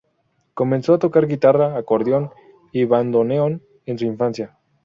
Comenzó a tocar guitarra, acordeón y bandoneón en su infancia.